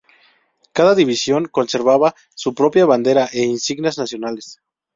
Cada división conservaba su propia bandera e insignias nacionales.